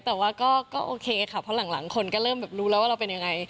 แต่ว่าก็โอเคค่ะเพราะหลังคนก็เริ่มรู้แล้วว่าเราเป็นยังไง